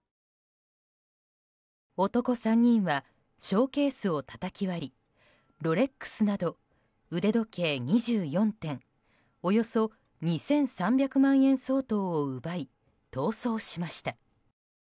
男３人はショーケースをたたき割りロレックスなど腕時計２４点およそ２３００万円相当を奪い逃走しました。